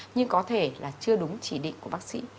nhưng có thể là chưa đúng chỉ định của bác sĩ